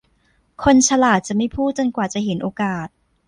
คนฉลาดจะไม่พูดจนกว่าจะเห็นโอกาส